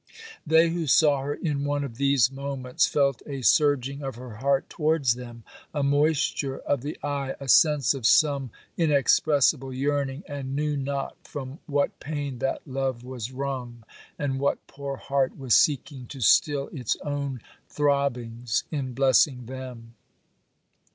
They who saw her in one of these moments, felt a surging of her heart towards them, a moisture of the eye, a sense of some inexpressible yearning, and knew not from what pain that love was wrung, and what poor heart was seeking to still its own throbbings in blessing them.